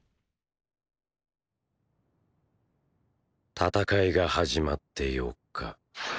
戦いが始まって４日。